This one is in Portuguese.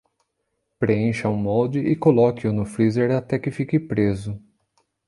Preencha um molde e coloque-o no freezer até que fique preso.